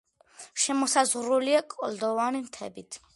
შემოსაზღვრულია კლდოვანი მთებით.